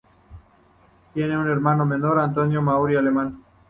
Tiene un hermano menor, Antonio Mauri Alemán.